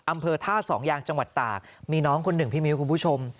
อำเภอท่าสองยางจังหวัดตากมีน้องคนหนึ่งพี่มิ้วคุณผู้ชม